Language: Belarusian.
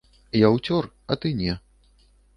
Я ўцёр, а ты не.